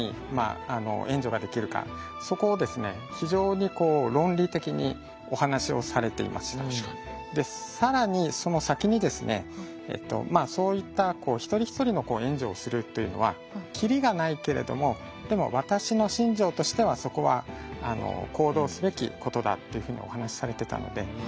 ２つの選択肢の評価をした上で私はで更にその先にですねそういった一人一人の援助をするというのはキリがないけれどもでも私の心情としてはそこは行動すべきことだっていうふうにお話しされてたので。